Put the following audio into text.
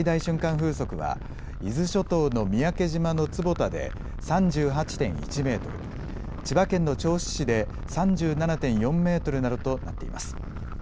風速は、伊豆諸島の三宅島の坪田で３８．１メートル、千葉県の銚子市で３７．４メートルなどとなっています。